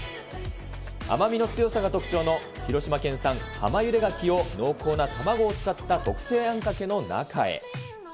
甘みの強さが特徴の、広島県産浜ゆでガキを濃厚な卵を使った特製あんかけの中へ。